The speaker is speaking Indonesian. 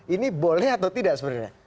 ini boleh atau tidak sebenarnya